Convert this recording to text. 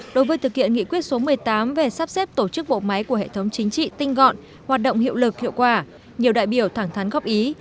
đối với thực hiện nghị quyết số một mươi tám về sắp xếp tổ chức bộ máy của hệ thống chính trị tinh gọn hoạt động hiệu lực hiệu quả nhiều đại biểu thẳng thắn góp ý